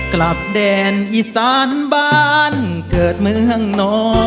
กลับแดนอีสานบ้านเกิดเมืองนอ